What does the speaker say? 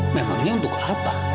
memangnya untuk apa